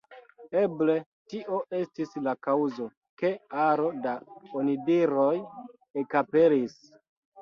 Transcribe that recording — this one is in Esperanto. Eble tio estis la kaŭzo, ke aro da onidiroj ekaperis.